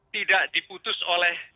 tidak diputus oleh